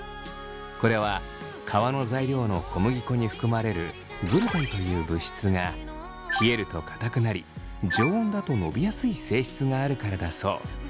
これは皮の材料の小麦粉に含まれるグルテンという物質が冷えるとかたくなり常温だと伸びやすい性質があるからだそう。